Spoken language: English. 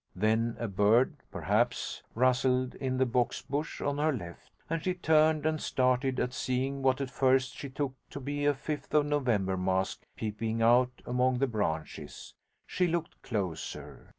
Then a bird (perhaps) rustled in the box bush on her left, and she turned and started at seeing what at first she took to be a Fifth of November mask peeping out among the branches. She looked closer.